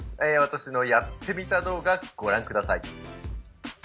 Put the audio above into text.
私のやってみた動画ご覧下さい。